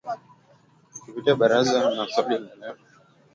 kupitia Barazani na Swali la Leo ,Maswali na Majibu na Salamu Zenu